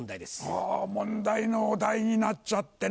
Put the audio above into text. はぁ問題のお題になっちゃってね